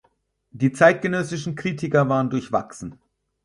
Die zeitgenössischen Kritiker waren durchwachsen.